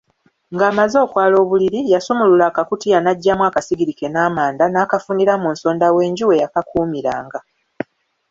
Ng’amaze okwala obuliri, yasumulula akakutiya n’aggyamu akasigiri ke n’amanda, n’akafunira mu nsonda w’enju we yakakuumiranga.